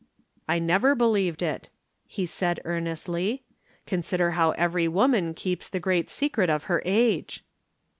"I never believed it," he said earnestly. "Consider how every woman keeps the great secret of her age."